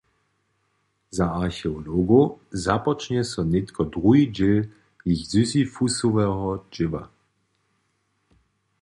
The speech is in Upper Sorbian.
Za archeologow započnje so nětko druhi dźěl jich sisyphusoweho dźěła.